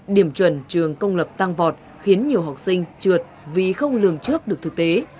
điểm chuẩn trường công lập tăng vọt khiến nhiều học sinh trượt vì không lường trước được thực tế